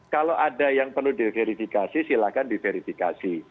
kalau ada yang perlu diverifikasi silahkan diverifikasi